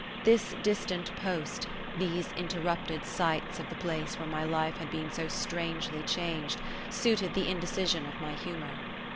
This distant post, these interrupted sights of the place where my life had been so strangely changed, suited the indecision of my humour.